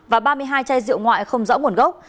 và ba mươi hai chai rượu ngoại không rõ nguồn gốc